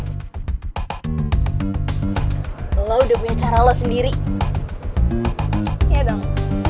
hmm keren berarti kalau ada apa apa sekarang gak perlu call your daddy lagi dong